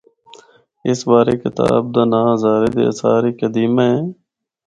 اس بارے کتاب دا ناں ’ہزارے دے آثار قدیمہ‘ اے۔